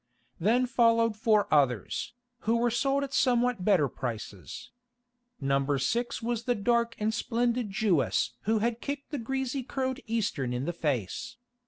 Then followed four others, who were sold at somewhat better prices. No. 6 was the dark and splendid Jewess who had kicked the greasy curled Eastern in the face.